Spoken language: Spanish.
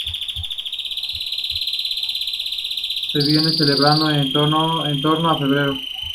Se vienen celebrando en torno a febrero.